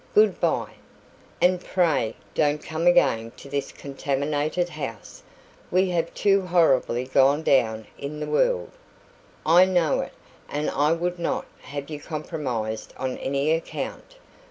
Good bye! And pray, don't come again to this contaminated house. We have too horribly gone down in the world. I know it, and I would not have you compromised on any account.